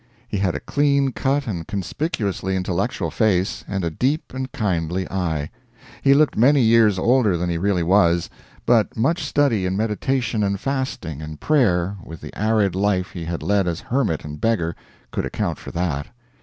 He had a clean cut and conspicuously intellectual face, and a deep and kindly eye. He looked many years older than he really was, but much study and meditation and fasting and prayer, with the arid life he had led as hermit and beggar, could account for that.